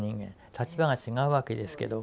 立場が違うわけですけど。